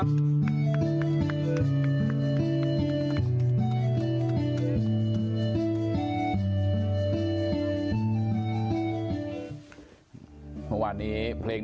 ดูกันว่ามันนี่แรก